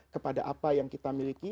kepada apa yang kita miliki